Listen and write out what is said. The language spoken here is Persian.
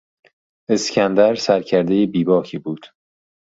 اسکندر سرکردهی بیباکی بود.